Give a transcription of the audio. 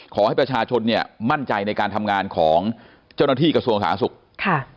ขอให้ประชาชนมั่นใจในการทำงานของเจ้าหน้าที่กระทรวงสถานกระทักษมณ์ศึกษ์